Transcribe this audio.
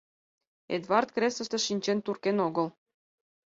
— Эдвард креслыште шинчен туркен огыл.